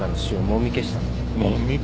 もみ消した？